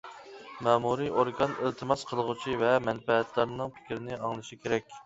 مەمۇرىي ئورگان ئىلتىماس قىلغۇچى ۋە مەنپەئەتدارنىڭ پىكرىنى ئاڭلىشى كېرەك.